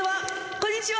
こんにちは！